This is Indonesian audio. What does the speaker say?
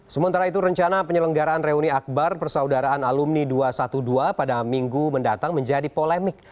sementara itu rencana penyelenggaraan reuni akbar persaudaraan alumni dua ratus dua belas pada minggu mendatang menjadi polemik